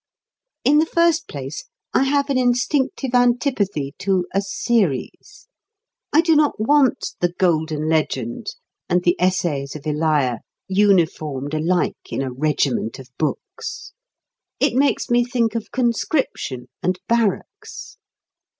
In the first place, I have an instinctive antipathy to a "series." I do not want "The Golden Legend" and "The Essays of Elia" uniformed alike in a regiment of books. It makes me think of conscription and barracks.